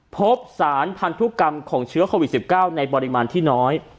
พบสารพันธุกรรมของเชื้อโควิด๑๙ในปริมาณที่น้อย